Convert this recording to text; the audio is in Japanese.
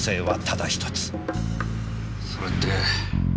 それって。